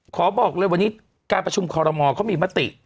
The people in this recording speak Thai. ขอบอกเลยวันนี้การประชุมคอรมอเขามีมติ